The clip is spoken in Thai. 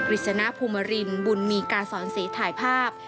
ฤษณภูมิรินบุญมีกาสอนเสถ่ายภาพ